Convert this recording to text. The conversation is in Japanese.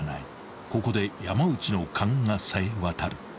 ［ここで山内の勘がさえ渡る］